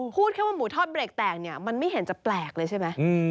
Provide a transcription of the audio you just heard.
พูดแค่ว่าหมูทอดเบรกแตกเนี่ยมันไม่เห็นจะแปลกเลยใช่ไหม